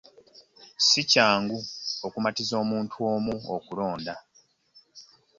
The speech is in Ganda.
Si kyangu okumatiza omuntu omu okulonda.